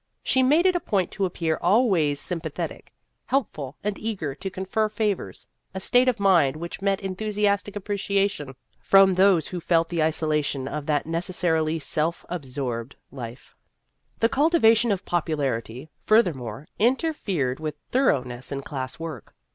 She made it a point to appear always sympathetic, helpful, and eager to confer favors a state of mind which met enthu siastic appreciation from those who felt the isolation of that necessarily self ab sorbed life. The History of an Ambition 35 The cultivation of popularity, further more, interfered with thoroughness in class work.